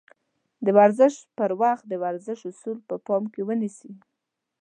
د ورزش پر وخت د روغتيا اَصول په پام کې ونيسئ.